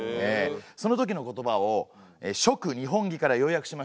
そのときの言葉を「続日本紀」から要約しました。